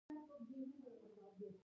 ګړۍ چې پر هر وخت برابر کړې.